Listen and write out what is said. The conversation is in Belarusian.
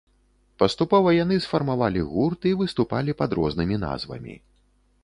Паступова яны сфармавалі гурт і выступалі пад рознымі назвамі.